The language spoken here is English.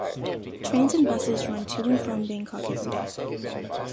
Trains and buses run to and from Bangkok every day.